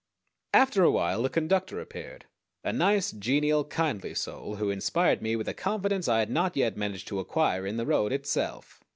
After awhile the conductor appeared a nice, genial, kindly soul, who inspired me with a confidence I had not yet managed to acquire in the road itself.